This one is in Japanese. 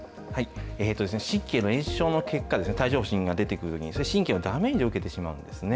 神経の炎症の結果、帯状ほう疹が出てくるのに、神経がダメージを受けてしまうんですね。